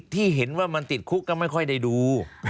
ที่เห็นว่ามันติดคุกก็ไม่ค่อยได้ดู